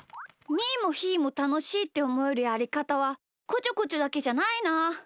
ーもひーもたのしいっておもえるやりかたはこちょこちょだけじゃないな。